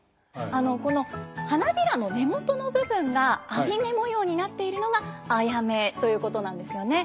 この花びらの根元の部分が網目模様になっているのがアヤメということなんですよね。